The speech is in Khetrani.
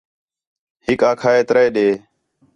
ہِک آکھا ہے ترے ݙے